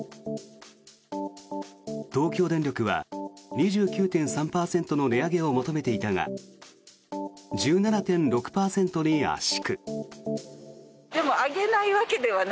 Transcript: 東京電力は２９．３％の値上げを求めていたが１７．６％に圧縮。